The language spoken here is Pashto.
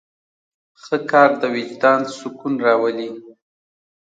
ښه کار د وجدان سکون راولي.